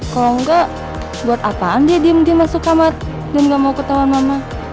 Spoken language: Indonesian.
kalau enggak buat apaan dia diem diem masuk kamar dan gak mau ketahuan mama